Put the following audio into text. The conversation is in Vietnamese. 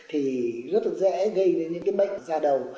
thì rất là dễ gây đến những cái bệnh da đầu